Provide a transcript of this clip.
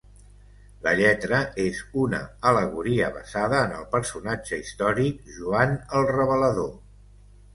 La lletra és una al·legoria basada en el personatge històric Joan el Revelador.